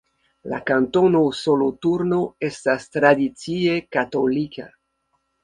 La Kantono Soloturno estas tradicie katolika.